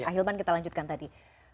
ahilman kita lanjutkan tadi